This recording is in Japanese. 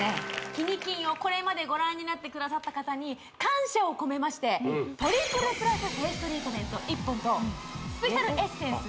「キニ金」をこれまでご覧になってくださった方に感謝を込めましてトリプルプラスフェイストリートメント１本とスペシャルエッセンス